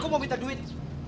aku mau minta duit